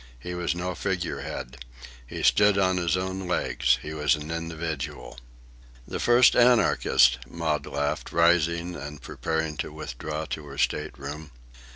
He was no figure head. He stood on his own legs. He was an individual." "The first Anarchist," Maud laughed, rising and preparing to withdraw to her state room.